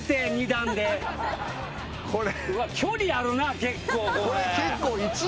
距離あるな結構これ。